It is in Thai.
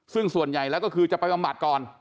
ซึ่งส่วนใหญ่แล้วก็คือจะไปบำบัดก่อน